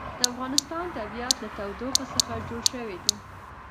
د افغانستان طبیعت له تودوخه څخه جوړ شوی دی.